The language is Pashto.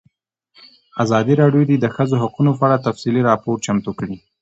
ازادي راډیو د د ښځو حقونه په اړه تفصیلي راپور چمتو کړی.